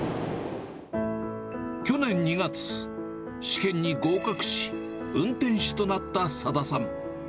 去年２月、試験に合格し、運転士となった佐田さん。